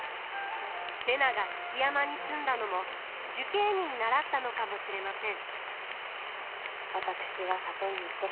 瀬名が築山に住んだのも寿桂尼に倣ったのかもしれません。